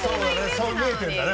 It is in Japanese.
そう見えてんだね